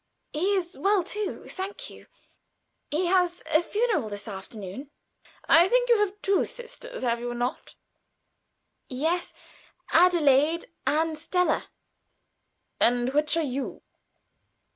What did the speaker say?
"He is well too, thank you. He has a funeral this afternoon." "I think you have two sisters, have you not?" "Yes; Adelaide and Stella." "And which are you?"